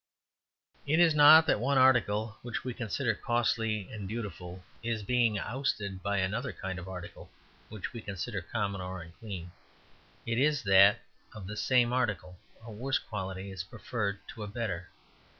It is not that one article which we consider costly and beautiful is being ousted by another kind of article which we consider common or unclean. It is that of the same article a worse quality is preferred to a better.